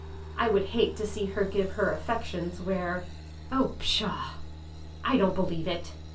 ... I would hate to see her give her affections— where— 0 A, pshaw! I don't believe it!"